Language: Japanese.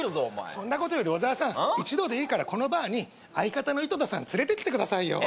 そんなことより小沢さん一度でいいからこのバーに相方の井戸田さん連れてきてくださいよ